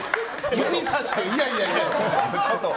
指さして、いやいやって！